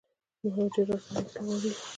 مهاجر راستنیدل غواړي